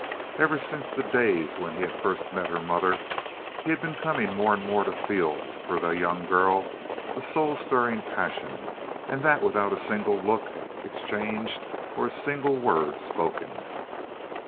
Ever since the days when he had first met her mother he had been coming more and more to feel for the young girl a soul stirring passion—and that without a single look exchanged or a single word spoken.